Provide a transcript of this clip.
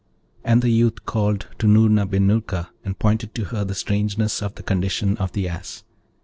And the youth called to Noorna bin Noorka, and pointed to her the strangeness of the condition of the Ass.